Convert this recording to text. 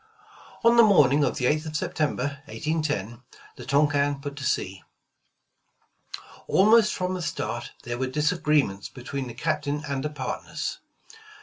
'' On the morning of the 8th of September, 1810, the Tonquin put to sea. Almost from the start there were disagreements between the Captain and the partners.